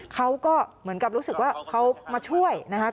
เขาก็เหมือนกับรู้สึกว่าเขามาช่วยนะครับ